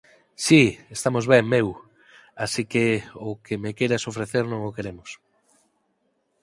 Si, estamos ben, meu! Así que o que me queiras ofrecer, non o queremos.